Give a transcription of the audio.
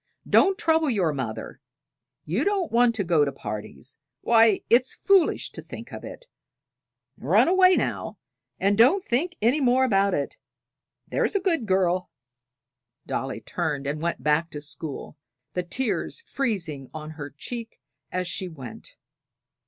"Don't trouble your mother; you don't want to go to parties; why, it's foolish to think of it. Run away now, and don't think any more about it there's a good girl!" Dolly turned and went back to school, the tears freezing on her cheek as she went.